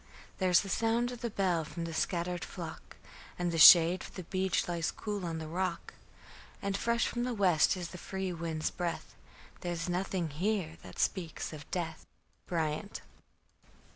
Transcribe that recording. There's the sound of the bell from the scattered flock, And the shade of the beach lies cool on the rock, And fresh from the west is the free wind's breath. There is nothing here that speaks of death. Bryant.